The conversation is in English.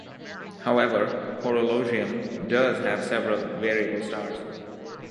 However, Horologium does have several variable stars.